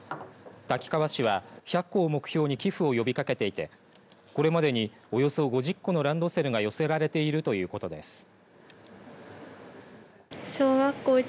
滝川市は１００個を目標に寄付を呼びかけていてこれまでにおよそ５０個のランドセルが寄せられているということです。